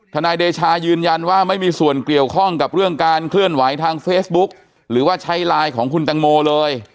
นายเดชายืนยันว่าไม่มีส่วนเกี่ยวข้องกับเรื่องการเคลื่อนไหวทางเฟซบุ๊กหรือว่าใช้ไลน์ของคุณตังโมเลย